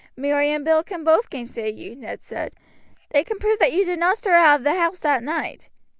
"Mary and Bill can both gainsay you," Ned said. "They can prove that you did not stir out of the house that night.